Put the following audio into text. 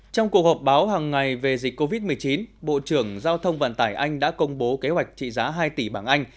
trong cuộc họp báo hằng ngày về dịch covid một mươi chín bộ trưởng giao thông vận tải anh đã công bố kế hoạch trị giá hai tỷ bảng anh